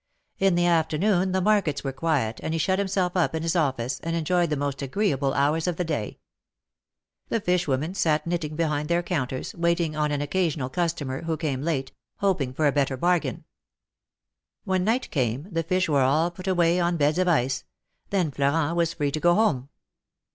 In the afternoon the markets were quiet, and he shut himself up in his office, and enjoyed the most agreeable hours of the day. The fish women sat knitting behind their counters, waiting on an occasional customer, who came late, hoping for a better bargain. When night came, the fish were all put away on beds of ice ; then Florent was free to go home.